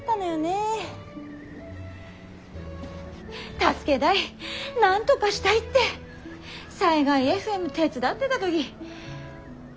助けだいなんとがしたいって災害ＦＭ手伝ってだ時。